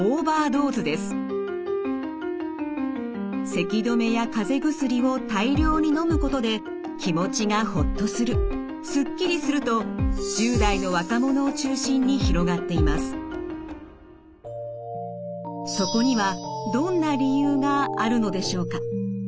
せき止めやかぜ薬を大量にのむことで気持ちがほっとするスッキリすると１０代のそこにはどんな理由があるのでしょうか。